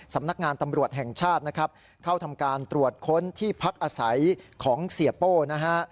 สำนักงานตำรวจแห่งชาตินะครับเข้าทำการตรวจค้นที่พักอาศัยของเสียโป้นะฮะ